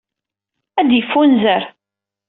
Ad yeffunzer.